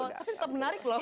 tapi tetep menarik loh